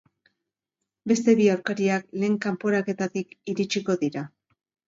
Beste bi aurkariak lehen kanporaketatik iritsiko dira.